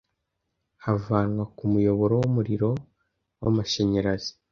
havanwa ku muyoboro w’umuriro w’amashanyarazi